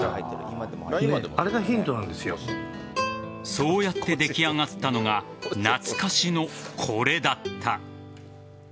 そうやって出来上がったのが懐かしのこれだった。